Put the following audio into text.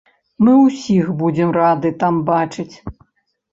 Мы ўсіх будзем рады там бачыць!